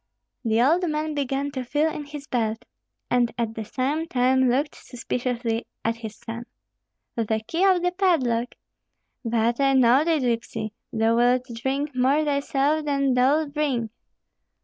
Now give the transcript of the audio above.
The old man began to feel in his belt, and at the same time looked suspiciously at his son. "The key of the padlock? But I know thee, gypsy; thou wilt drink more thyself than thou'lt bring.